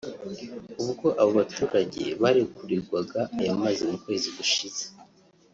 ubwo abo baturage barekurirwaga ayo mazi mu kwezi gushize